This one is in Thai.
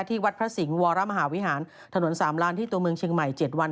วัดพระสิงห์วรมหาวิหารถนน๓ล้านที่ตัวเมืองเชียงใหม่๗วัน